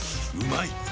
うまい！